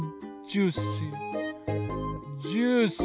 ジューシーな。